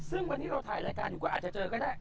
ซึ่งวันนี้เราถ่ายรายการอยู่ก็อาจจะเจอก็ได้